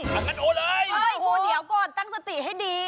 เฮ้ยโอ้โหเดี๋ยวก่อนตั้งสติให้ดี